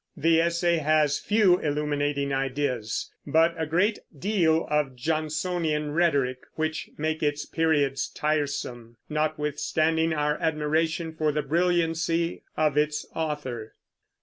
The essay has few illuminating ideas, but a great deal of Johnsonian rhetoric, which make its periods tiresome, notwithstanding our admiration for the brilliancy of its author.